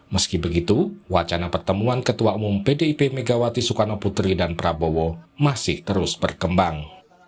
meski begitu wacana pertemuan ketua umum pdip megawati soekarno putri dan prabowo masih terus berkembang